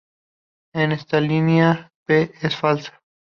En esta línea, p es falsa.